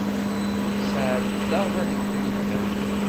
Tesεeddaḍ anebdu yelhan?